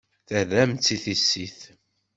Terram-tt i tissit.